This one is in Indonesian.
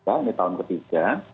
ini tahun ketiga